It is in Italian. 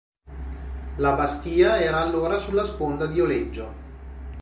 La bastia era allora sulla sponda di Oleggio.